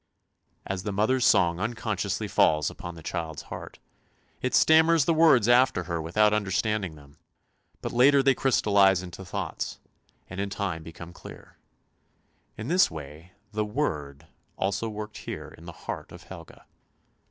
As the mother's song unconsciously falls upon the child's heart, it stammers the words after her without understanding them; but later they crystallize into thoughts, and in time become clear. In this way the " Word " also worked here in the heart of Helga.